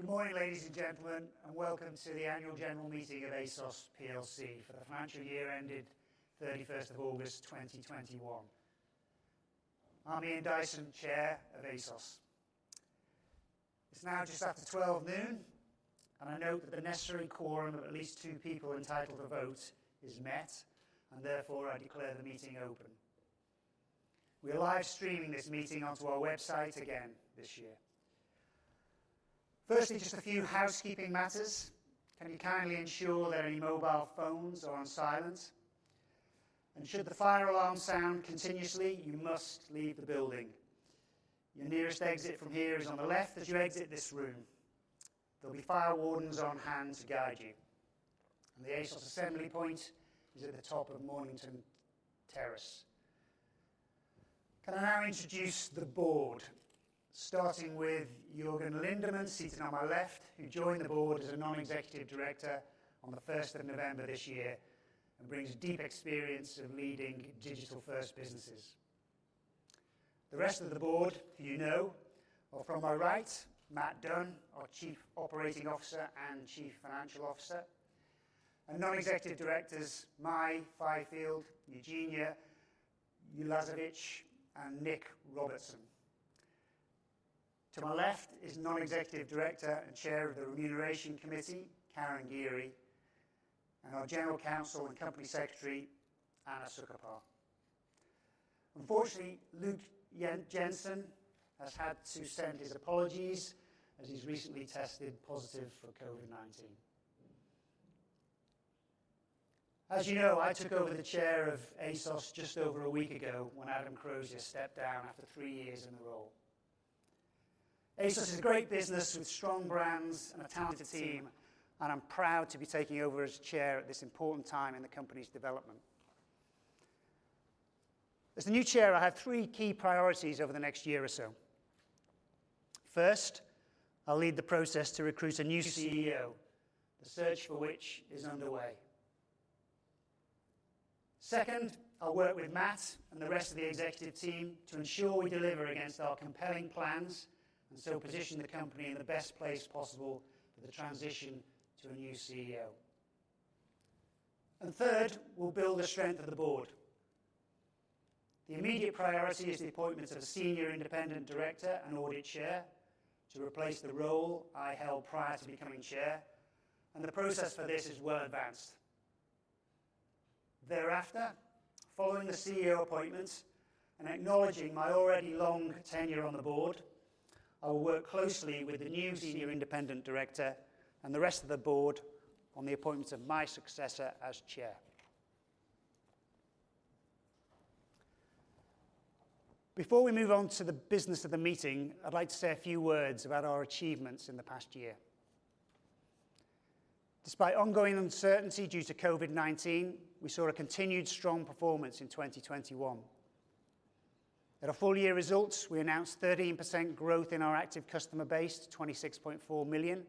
Good morning, ladies and gentlemen, and welcome to the Annual General Meeting of ASOS Plc for the financial year ended 31 August 2021. I'm Ian Dyson, Chair of ASOS. It's now just after 12: 00 P.M., and I note that the necessary quorum of at least two people entitled to vote is met, and therefore I declare the meeting open. We are live streaming this meeting onto our website again this year. Firstly, just a few housekeeping matters. Can you kindly ensure that any mobile phones are on silent? Should the fire alarm sound continuously, you must leave the building. Your nearest exit from here is on the left as you exit this room. There'll be fire wardens on hand to guide you. The ASOS assembly point is at the top of Mornington Terrace. Can I now introduce the Board, starting with Jørgen Lindemann, seated on my left, who joined the Board as a Non-Executive Director on the first of November this year and brings deep experience of leading digital-first businesses. The rest of the Board you know are from my right, Mat Dunn, our Chief Operating Officer and Chief Financial Officer, and Non-Executive Directors, Mai Fyfield, Eugenia Ulasewicz, and Nick Robertson. To my left is Non-Executive Director and Chair of the Remuneration Committee, Karen Geary, and our General Counsel and Company Secretary, Anna Suchopar. Unfortunately, Luke Jensen has had to send his apologies as he's recently tested positive for COVID-19. As you know, I took over the Chair of ASOS just over a week ago when Adam Crozier stepped down after three years in the role. ASOS is a great business with strong brands and a talented team, and I'm proud to be taking over as Chair at this important time in the company's development. As the new Chair, I have three key priorities over the next year or so. First, I'll lead the process to recruit a new CEO, the search for which is underway. Second, I'll work with Matt and the rest of the executive team to ensure we deliver against our compelling plans and so position the company in the best place possible for the transition to a new CEO. Third, we'll build the strength of the Board. The immediate priority is the appointment of a Senior Independent Director and Audit Chair to replace the role I held prior to becoming Chair, and the process for this is well advanced. Thereafter, following the CEO appointment and acknowledging my already long tenure on the Board, I will work closely with the new Senior Independent Director and the rest of the Board on the appointment of my successor as Chair. Before we move on to the business of the meeting, I'd like to say a few words about our achievements in the past year. Despite ongoing uncertainty due to COVID-19, we saw a continued strong performance in 2021. At our full year results, we announced 13% growth in our active customer base to 26.4 million.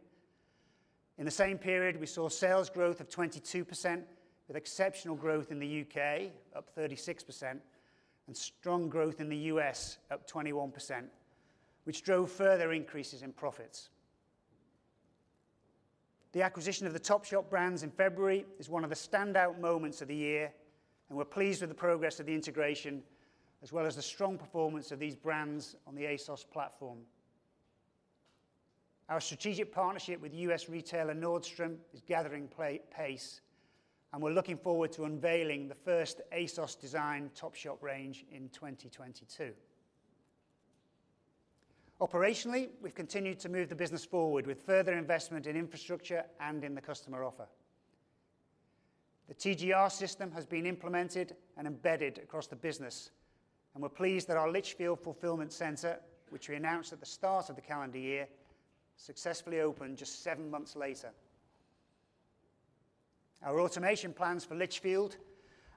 In the same period, we saw sales growth of 22%, with exceptional growth in the U.K., up 36%, and strong growth in the U.S., up 21%, which drove further increases in profits. The acquisition of the Topshop brands in February is one of the standout moments of the year, and we're pleased with the progress of the integration, as well as the strong performance of these brands on the ASOS platform. Our strategic partnership with U.S. retailer Nordstrom is gathering pace, and we're looking forward to unveiling the first ASOS DESIGN Topshop range in 2022. Operationally, we've continued to move the business forward with further investment in infrastructure and in the customer offer. The TGR system has been implemented and embedded across the business, and we're pleased that our Lichfield fulfillment center, which we announced at the start of the calendar year, successfully opened just seven months later. Our automation plans for Lichfield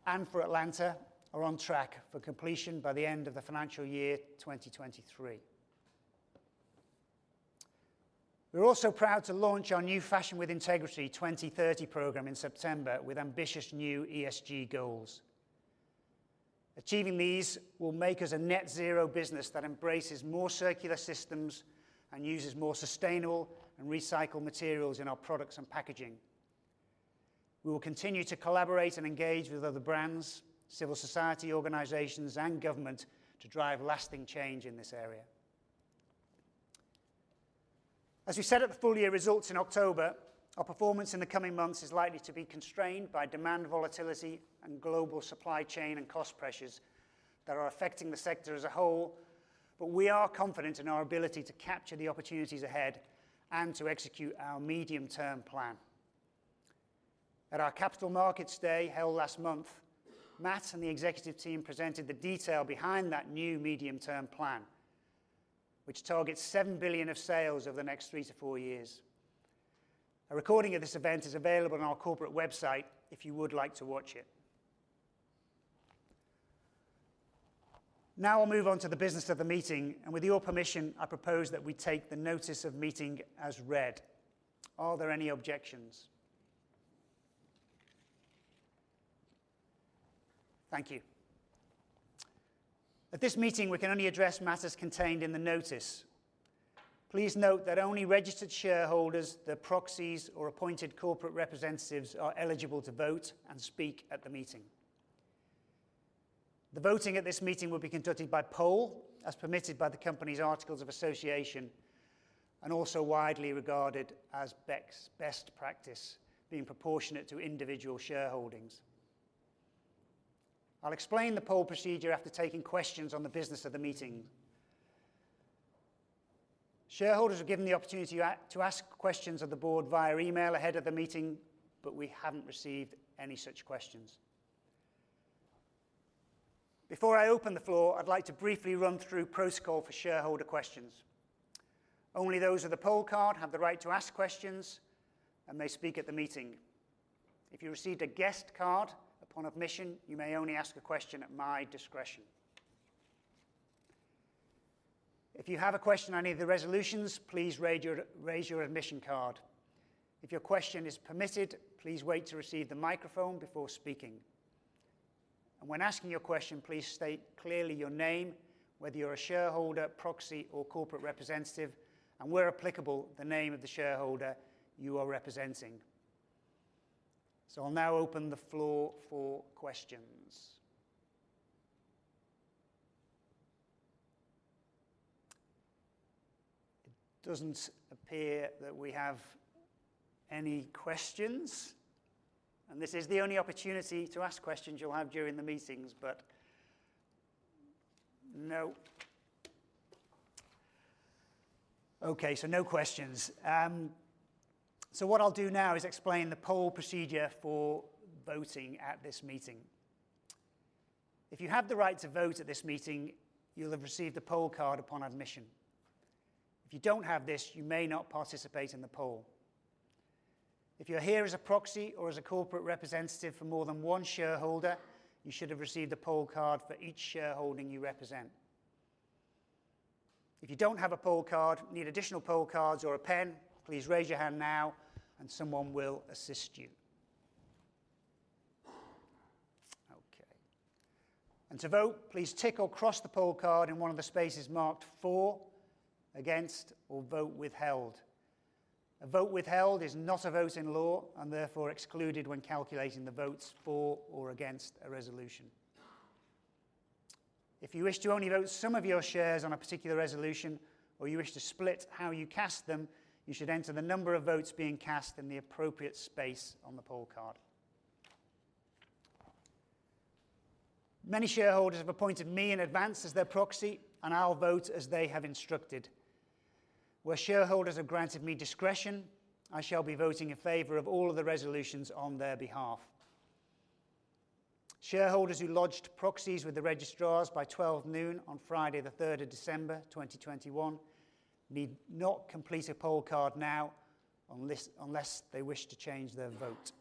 and for Atlanta are on track for completion by the end of the financial year 2023. We're also proud to launch our new Fashion with Integrity 2030 program in September with ambitious new ESG goals. Achieving these will make us a Net Zero business that embraces more circular systems and uses more sustainable and recycled materials in our products and packaging. We will continue to collaborate and engage with other brands, civil society organizations, and government to drive lasting change in this area. As we said at the full year results in October, our performance in the coming months is likely to be constrained by demand volatility and global supply chain and cost pressures that are affecting the sector as a whole. We are confident in our ability to capture the opportunities ahead and to execute our medium-term plan. At our Capital Markets Day held last month, Matt and the executive team presented the detail behind that new medium-term plan, which targets 7 billion of sales over the next three to four years. A recording of this event is available on our corporate website if you would like to watch it. Now I'll move on to the business of the meeting, and with your permission, I propose that we take the notice of meeting as read. Are there any objections? Thank you. At this meeting, we can only address matters contained in the notice. Please note that only registered shareholders, their proxies, or appointed corporate representatives are eligible to vote and speak at the meeting. The voting at this meeting will be conducted by poll as permitted by the company's articles of association, and also widely regarded as best practice, being proportionate to individual shareholdings. I'll explain the poll procedure after taking questions on the business of the meeting. Shareholders are given the opportunity to ask questions of the board via email ahead of the meeting, but we haven't received any such questions. Before I open the floor, I'd like to briefly run through protocol for shareholder questions. Only those with a poll card have the right to ask questions and may speak at the meeting. If you received a guest card upon admission, you may only ask a question at my discretion. If you have a question on any of the resolutions, please raise your admission card. If your question is permitted, please wait to receive the microphone before speaking. When asking your question, please state clearly your name, whether you're a shareholder, proxy, or corporate representative, and where applicable, the name of the shareholder you are representing. I'll now open the floor for questions. It doesn't appear that we have any questions, and this is the only opportunity to ask questions you'll have during the meetings. No. Okay, no questions. What I'll do now is explain the poll procedure for voting at this meeting. If you have the right to vote at this meeting, you'll have received a poll card upon admission. If you don't have this, you may not participate in the poll. If you're here as a proxy or as a corporate representative for more than one shareholder, you should have received a poll card for each shareholding you represent. If you don't have a poll card, need additional poll cards or a pen, please raise your hand now and someone will assist you. Okay. To vote, please tick or cross the poll card in one of the spaces marked for, against, or vote withheld. A vote withheld is not a vote in law and therefore excluded when calculating the votes for or against a resolution. If you wish to only vote some of your shares on a particular resolution or you wish to split how you cast them, you should enter the number of votes being cast in the appropriate space on the poll card. Many shareholders have appointed me in advance as their proxy, and I'll vote as they have instructed. Where shareholders have granted me discretion, I shall be voting in favor of all of the resolutions on their behalf. Shareholders who lodged proxies with the registrars by 12:00 P.M. on Friday the third of December 2021, need not complete a poll card now unless they wish to change their vote.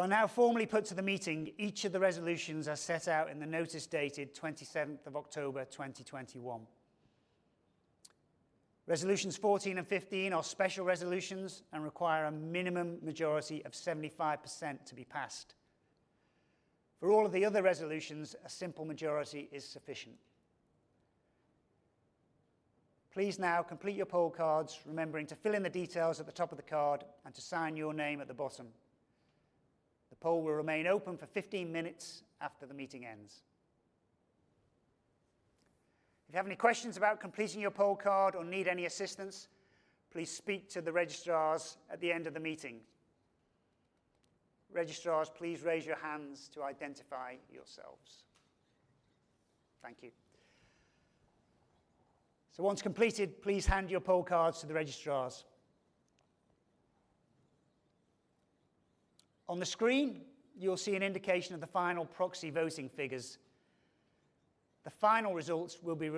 I now formally put to the meeting each of the resolutions as set out in the notice dated 27th of October 2021. Resolutions 14 and 15 are special resolutions and require a minimum majority of 75% to be passed. For all of the other resolutions, a simple majority is sufficient. Please now complete your poll cards, remembering to fill in the details at the top of the card and to sign your name at the bottom. The poll will remain open for 15 minutes after the meeting ends. If you have any questions about completing your poll card or need any assistance, please speak to the registrars at the end of the meeting. Registrars, please raise your hands to identify yourselves. Thank you. Once completed, please hand your poll cards to the registrars. On the screen, you'll see an indication of the final proxy voting figures. The final results will be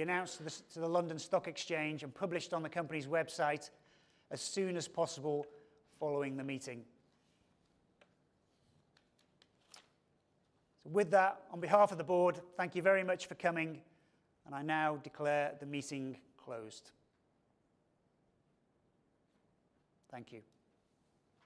announced to the London Stock Exchange and published on the company's website as soon as possible following the meeting. With that, on behalf of the board, thank you very much for coming, and I now declare the meeting closed. Thank you.